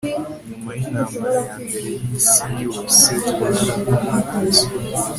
nyuma y'intambara ya mbere y'isi yosetwarahungutse